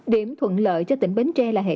điểm thuận lợi cho tỉnh bến tre là hệ thống